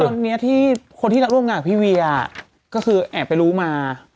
ตอนนี้ที่คนที่รักร่วมงานกับพี่เวียก็คือแอบไปรู้มา